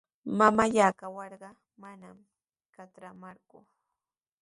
Mamallaa kawarqa manami katramaqku.